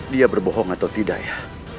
dia berbohong atau tidak ya